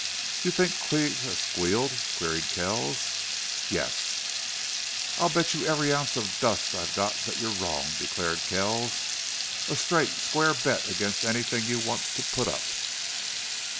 "You think Cleve has squealed?" queried Kells. "Yes." "I'll bet you every ounce of dust I've got that you're wrong," declared Kells. "A straight, square bet against anything you want to put up!"